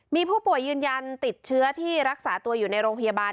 มีผู้ป่วยยืนยันติดเชื้อที่รักษาตัวอยู่ในโรงพยาบาล